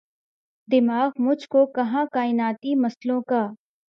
دماغ مجھ کو کہاں کائناتی مسئلوں کا